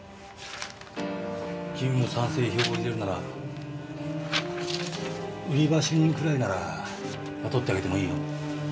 君も賛成票を入れるなら売り場主任くらいなら雇ってあげてもいいよ。